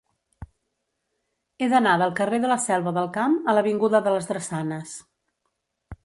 He d'anar del carrer de la Selva del Camp a l'avinguda de les Drassanes.